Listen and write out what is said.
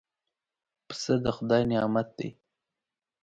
پسه د خدای نعمت دی.